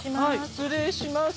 失礼します。